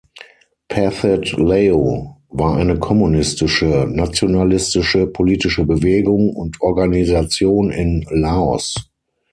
Pathet Lao war eine kommunistische, nationalistische politische Bewegung und Organisation in Laos.